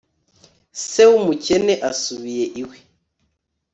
se w'umukene asubiye iwe